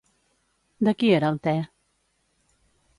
De qui era el te?